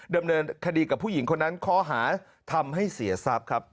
ดำเนินคดีกับผู้หญิงคนนั้นข้อหาทำให้เสียทรัพย์ครับ